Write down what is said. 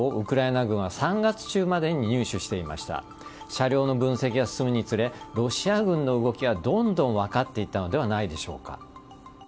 車両の分析が進むにつれてロシア軍の動きはどんどん分かっていったのではないでしょうか。